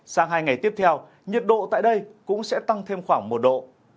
sang hai ngày tiếp theo nhiệt độ tại đây cũng sẽ tăng thêm khoảng một độ